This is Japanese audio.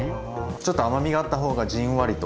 ちょっと甘みがあった方がじんわりと。